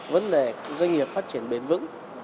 vấn đề doanh nghiệp phát triển bền vững